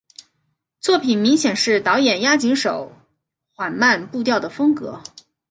作品明显是导演押井守缓慢步调的风格。